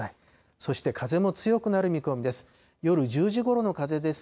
そして風も強くなる見込みです。